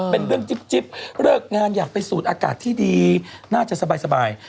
เป็นเรื่องจิ๊บเลิกงานอยากไปสูดอากาศที่ดีน่าจะสบาย